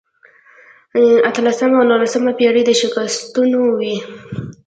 اتلسمه او نولسمه پېړۍ د شکستونو وې.